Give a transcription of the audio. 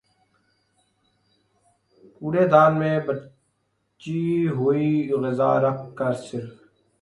کوڑے دان میں بچی ہوئی غذا رکھ کر صرف